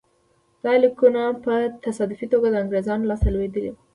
دا لیکونه په تصادفي توګه د انګرېزانو لاسته لوېدلي دي.